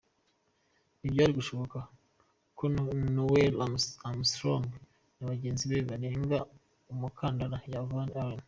Ntibyari gushoboka ko Neil Armstrong na bagenzi be barenga umukandara wa Van Allen.